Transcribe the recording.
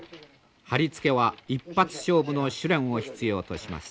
貼り付けは一発勝負の手練を必要とします。